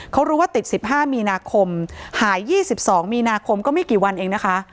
เขารู้ว่าติด๑๕มีนาคมหาย๒๒มีนาคมก็ไม่กี่วันเองนะคะ